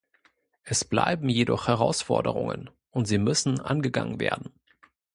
Es bleiben jedoch Herausforderungen, und sie müssen angegangen werden.